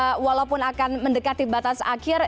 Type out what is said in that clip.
mudah mudahan walaupun akan mendekati batas akhir